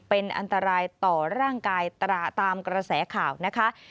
เป็นอันตรายต่อร่างกายตราตามกระแสข่าวนะคะ